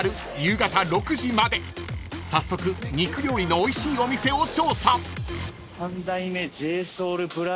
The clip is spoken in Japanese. ［早速肉料理のおいしいお店を調査］